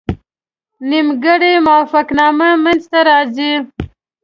نیمګړې موافقتنامه منځته راځي.